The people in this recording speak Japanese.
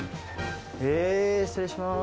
失礼します。